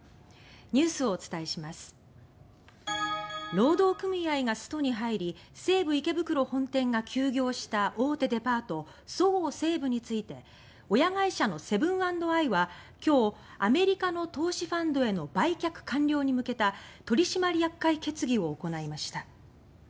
労働組合がストに入り西武池袋本店が休業した大手デパート「そごう・西武」について親会社のセブン＆アイは今日アメリカの投資ファンドへの売却完了に向けた取締役会決議を行いました。